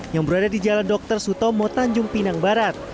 yang berada di jalan dr sutomo tanjung pinang barat